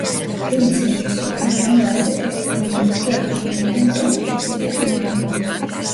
ფილმის რეჟისორია ჯონ ლასეტერი, გმირებს კი ახმოვანებენ ტომ ჰენქსი და ტიმ ალენი.